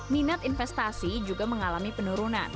minat investasi juga mengalami penurunan